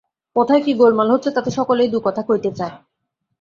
কোথায় কি গোলযোগ হচ্ছে, তাতে সকলেই দু-কথা কইতে চায়।